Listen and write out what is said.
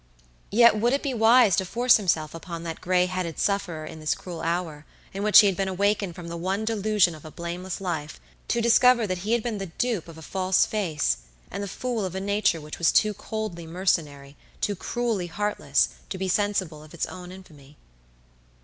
Yet would it be wise to force himself upon that gray headed sufferer in this cruel hour, in which he had been awakened from the one delusion of a blameless life to discover that he had been the dupe of a false face, and the fool of a nature which was too coldly mercenary, too cruelly heartless, to be sensible of its own infamy?